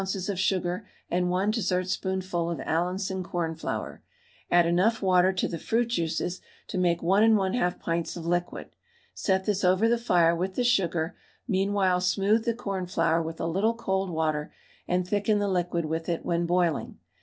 of sugar, and 1 dessertspoonful of Allinson cornflour. Add enough water to the fruit juices to make 1 1/2 pints of liquid. Set this over the fire with the sugar; meanwhile smooth the cornflour with a little cold water, and thicken the liquid with it when boiling.